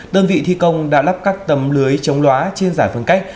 đơn vị thi công đã lắp các tầm lưới chống lóa trên giải phân cách